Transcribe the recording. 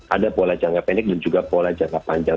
ada pola jangka pendek dan juga pola jangka panjang